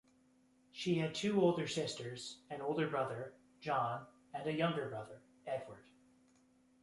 She had two older sisters, an older brother, John, and a younger brother, Edward.